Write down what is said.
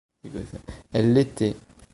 Elle l'était.